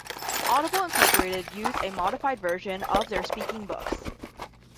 Audible Incorporated use a modified version for their speaking books.